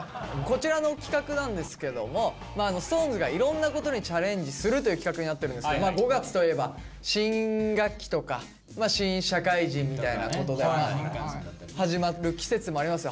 こちらの企画なんですけどもＳｉｘＴＯＮＥＳがいろんなことにチャレンジするという企画になっているんですけど５月といえば新学期とか新社会人みたいなことが始まる季節でもあります